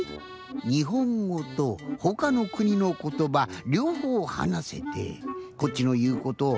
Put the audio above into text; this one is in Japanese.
にほんごとほかのくにのことばりょうほうはなせてこっちのいうことあいて